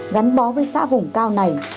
gắn bó với xã vùng cao này